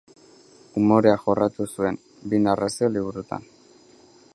Umorea jorratu zuen, bi narrazio liburutan.